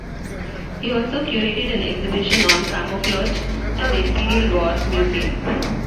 He also curated an exhibition on camouflage at the Imperial War Museum.